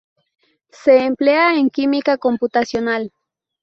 Se emplea en química computacional.